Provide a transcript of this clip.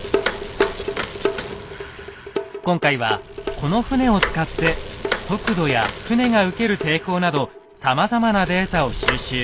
今回はこの船を使って速度や船が受ける抵抗などさまざまなデータを収集。